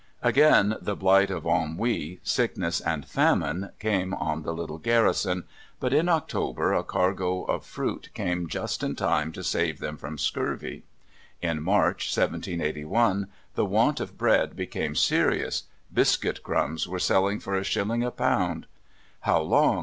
Again the blight of ennui, sickness, and famine came on the little garrison; but in October a cargo of fruit came just in time to save them from scurvy. In March, 1781, the want of bread became serious: biscuit crumbs were selling for a shilling a pound. "How long?"